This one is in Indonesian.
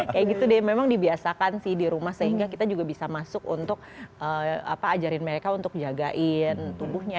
kayak gitu deh memang dibiasakan sih di rumah sehingga kita juga bisa masuk untuk ajarin mereka untuk jagain tubuhnya